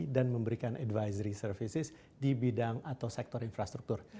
dan memberikan advisory services di bidang atau sektor infrastruktur